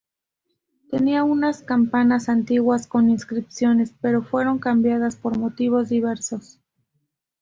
Tenía unas campanas antiguas con inscripciones, pero fueron cambiadas por motivos diversos.